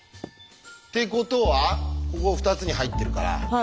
ってことはここ２つに入ってるから。